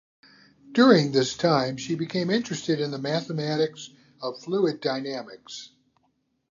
During this time she became interested in the mathematics of fluid dynamics.